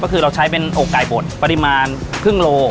ก็คือเราใช้เป็นอกไก่บดปริมาณครึ่งโล